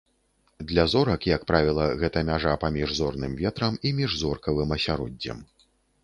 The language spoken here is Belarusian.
Для зорак, як правіла, гэта мяжа паміж зорным ветрам і міжзоркавым асяроддзем.